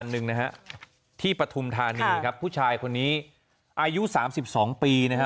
หนึ่งนะฮะที่ปฐุมธานีครับผู้ชายคนนี้อายุสามสิบสองปีนะฮะ